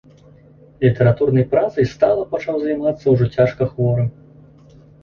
Літаратурнай працай стала пачаў займацца ўжо цяжка хворым.